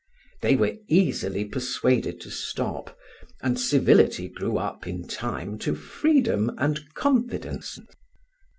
They were easily persuaded to stop, and civility grew up in time to freedom and confidence.